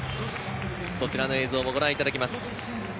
そちらの映像もご覧いただきます。